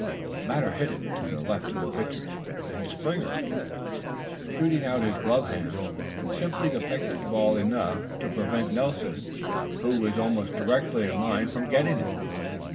The batter hit it to the left of the pitcher, and Springer, shooting out his gloved hand, simply deflected the ball enough to prevent Nelson, who was almost directly in line, from getting it.